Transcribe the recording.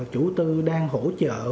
chủ tư đang hỗ trợ